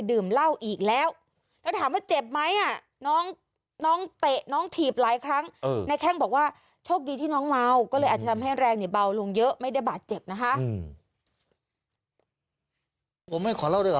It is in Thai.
คือว่าเอาเป็นว่าผมยอมรับผิดทุกอย่าง